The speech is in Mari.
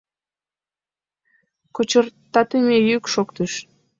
Кочыртатыме йӱк шоктыш.